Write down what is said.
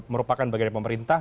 merupakan bagian dari pemerintah